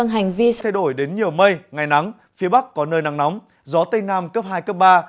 hành vi thay đổi đến nhiều mây ngày nắng phía bắc có nơi nắng nóng gió tây nam cấp hai cấp ba